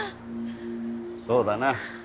そうだな。